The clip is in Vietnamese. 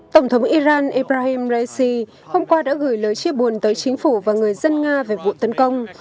tổng thống iran ebrahim raisi hôm qua đã gửi lời chia buồn tới chính phủ và người dân nga về vụ tấn công